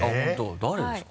誰ですか？